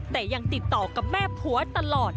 แต่ยังติดต่อกับแม่ผัวตลอด